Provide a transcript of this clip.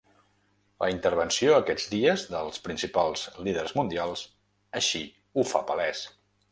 La intervenció, aquest dies, dels principals líders mundials així ho fa palès.